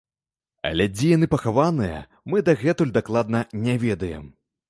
Але дзе яны пахаваныя, мы дагэтуль дакладна не ведаем.